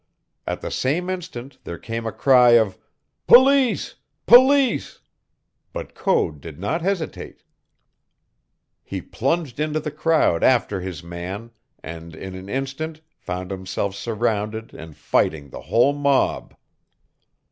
At the same instant there came a cry of "Police! Police!" But Code did not hesitate. He plunged into the crowd after his man and, in an instant, found himself surrounded and fighting the whole mob.